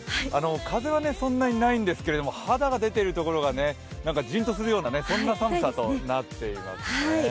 風はそんなにないんですけど肌が出ているところがジンとするような、そんな寒さとなっていますね。